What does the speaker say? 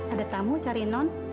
ada tamu cari non